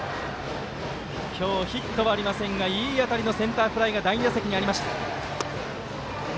今日ヒットはありませんがいい当たりのセンターフライが第２打席にありました。